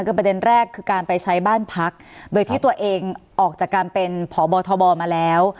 คือประเด็นแรกคือการไปใช้บ้านพักโดยที่ตัวเองออกจากการเป็นพบทบมาแล้ว